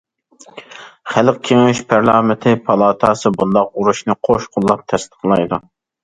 خەلق كېڭىشى، پارلامېنتى، پالاتاسى بۇنداق ئۇرۇشنى قوش قوللاپ تەستىقلايدۇ.